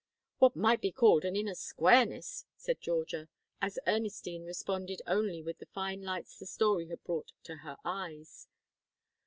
"What might be called an inner squareness," said Georgia, as Ernestine responded only with the fine lights the story had brought to her eyes.